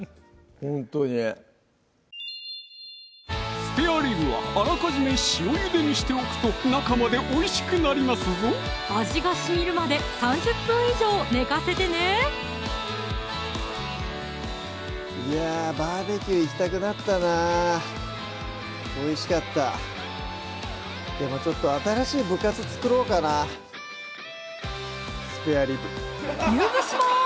ほんとにスペアリブはあらかじめ塩ゆでにしておくと中までおいしくなりますぞ味がしみるまで３０分以上寝かせてねいやＢＢＱ行きたくなったなおいしかったやっぱちょっと新しい部活作ろうかな入部します！